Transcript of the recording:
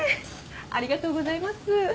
ありがとうございます。